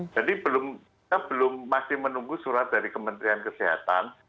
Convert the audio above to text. jadi belum kita masih menunggu surat dari kementerian kesehatan